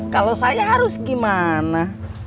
kalau saya harus gimana